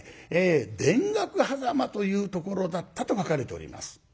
田楽狭間というところだったと書かれております。